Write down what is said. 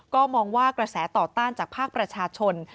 ก็มองว่ากระแสต่อต้านจากภาคประชาชน